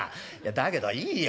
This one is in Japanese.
だけどいいよ。